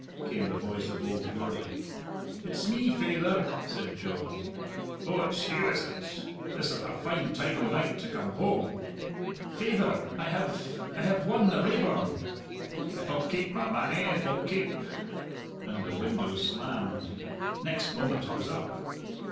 came the voice of old Gourlay. "It's me, faither," said John. "Oh, it's you, is it? This is a fine time o' night to come home." "Faither, I have I have won the Raeburn!" "It'll keep, my mannie, it'll keep" and the window slammed. Next moment it was up.